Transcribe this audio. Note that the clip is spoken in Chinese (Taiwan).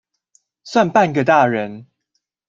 算半個大人